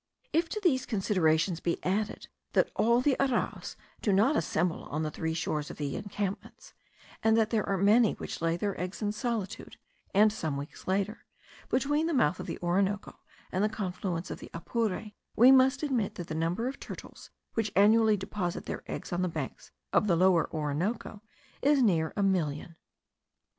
If to these considerations be added, that all the arraus do not assemble on the three shores of the encampments; and that there are many which lay their eggs in solitude, and some weeks later,* between the mouth of the Orinoco and the confluence of the Apure; we must admit that the number of turtles which annually deposit their eggs on the banks of the Lower Orinoco, is near a million.